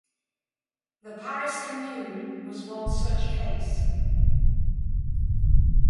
The Paris Commune was one such case.